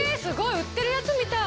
売ってるやつみたい。